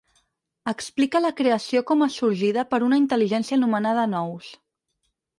Explique la creació com a sorgida per una intel·ligència anomenada nous.